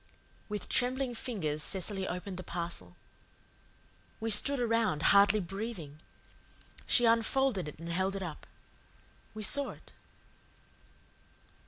With trembling fingers Cecily opened the parcel. We stood around, hardly breathing. She unfolded it and held it up. We saw it.